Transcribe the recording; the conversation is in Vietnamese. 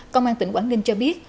công an tỉnh quảng ninh cho biết